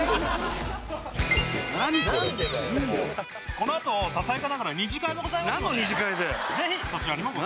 このあとささやかながら二次会もございますのでなんの二次会だよ！